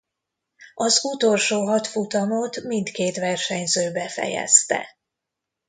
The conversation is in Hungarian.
Az utolsó hat futamot mindkét versenyző befejezte.